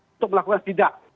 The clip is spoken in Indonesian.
untuk melakukan sidak